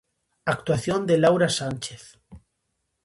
Actuación de Laura Sánchez.